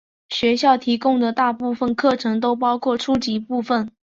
学校提供的大部分课程都包括初级部分。